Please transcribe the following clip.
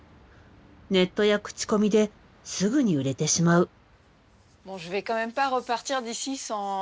ネットや口コミですぐに売れてしまう。